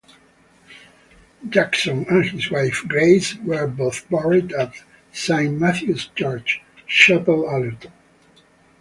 Jackson and his wife Grace were both buried at Saint Matthew's Church, Chapel Allerton.